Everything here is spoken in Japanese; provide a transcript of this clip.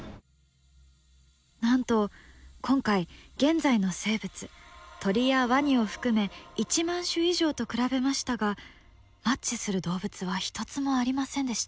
なんと今回現在の生物鳥やワニを含め１万種以上と比べましたがマッチする動物は一つもありませんでした。